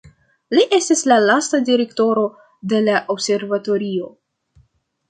Li estis la lasta direktoro de la observatorio.